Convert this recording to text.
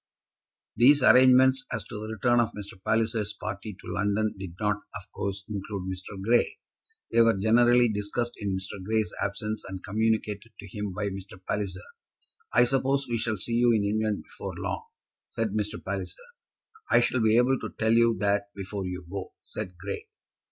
These arrangements as to the return of Mr. Palliser's party to London did not, of course, include Mr. Grey. They were generally discussed in Mr. Grey's absence, and communicated to him by Mr. Palliser. "I suppose we shall see you in England before long?" said Mr. Palliser. "I shall be able to tell you that before you go," said Grey.